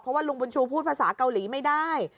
ว่าลุงบุญชูพูดภาษาเกาหลีไม่ได้